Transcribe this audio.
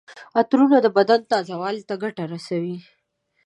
عطرونه د بدن تازه والي ته ګټه رسوي.